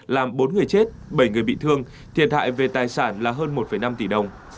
làm bốn người chết bảy người bị thương thiệt hại về tài sản là hơn một năm tỷ đồng